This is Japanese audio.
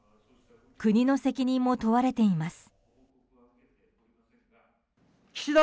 国の責任も問われています。